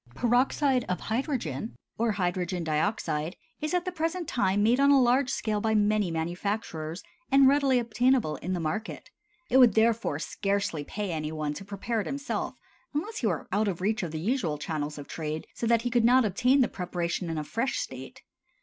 Peroxide of hydrogen, or hydrogen dioxide, is at the present time made on a large scale by many manufacturers, and readily obtainable in the market. It would therefore scarcely pay any one to prepare it himself unless he were out of reach of the usual channels of trade, so that he could not obtain the preparation in a fresh state.